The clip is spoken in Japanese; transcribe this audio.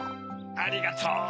ありがとう。